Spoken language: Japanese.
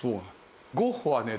ゴッホはね